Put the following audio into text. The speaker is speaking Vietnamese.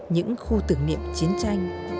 những khu tưởng niệm chiến tranh